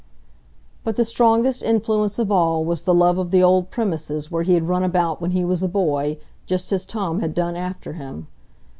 But the strongest influence of all was the love of the old premises where he had run about when he was a boy, just as Tom had done after him.